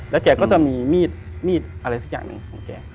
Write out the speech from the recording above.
แกก็จะมีมีดอะไรสักอย่างหนึ่งของแก